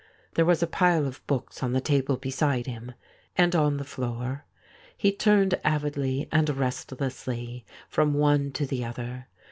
There was a pile of books on the table THIS IS ALL beside him^ and on the floor. He turned avidly and restlessly from one to the other.